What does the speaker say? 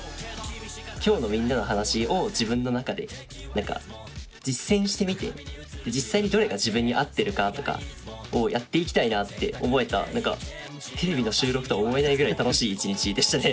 今日のみんなの話を自分の中で実践してみて実際にどれが自分に合ってるかとかをやっていきたいなって思えたテレビの収録とは思えないぐらい楽しい１日でしたね。